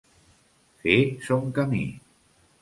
Fer son camí.